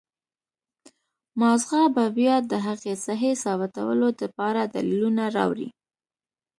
مازغه به بيا د هغې سهي ثابتولو د پاره دليلونه راوړي